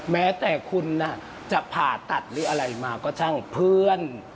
แม้แต่คุณจะผ่าตัดหรืออะไรมาก็ช่างเพื่อน